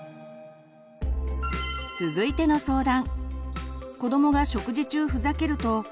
続いての相談。